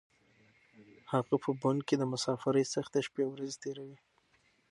هغه په بن کې د مسافرۍ سختې شپې او ورځې تېروي.